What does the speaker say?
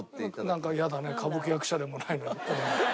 なんかやだね歌舞伎役者でもないのに。